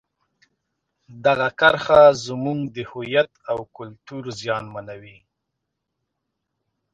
دغه کرښه زموږ د هویت او کلتور زیانمنوي.